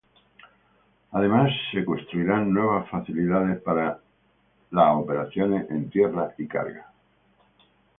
Adicionalmente se construirán nuevas facilidades para las operaciones en tierra y carga.